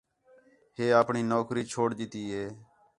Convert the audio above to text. ہے اَپݨی نوکری چھوڑ ݙِیتی ہے